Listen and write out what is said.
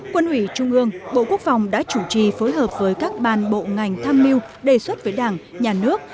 quân ủy trung ương bộ quốc phòng đã chủ trì phối hợp với các ban bộ ngành tham mưu đề xuất với đảng nhà nước